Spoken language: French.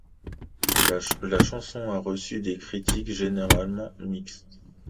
La chanson a reçu des critiques généralement mixtes.